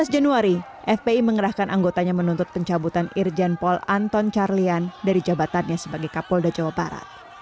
tujuh belas januari fpi mengerahkan anggotanya menuntut pencabutan irjen pol anton carlian dari jabatannya sebagai kapolda jawa barat